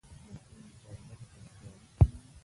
مچان د شربت پر پیاله کښېني